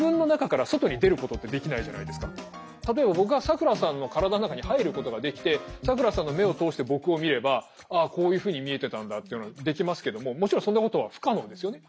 僕らは例えば僕が咲楽さんの体の中に入ることができて咲楽さんの目を通して僕を見ればああこういうふうに見えてたんだっていうのはできますけどももちろんそんなことは不可能ですよね。